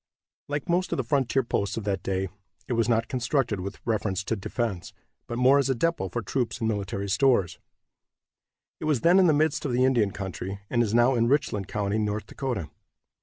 Like most of the frontier posts of that day, it was not constructed with reference to defense, but more as a depot for troops and military stores. It was then in the midst of the Indian country, and is now in Richland county, North Dakota.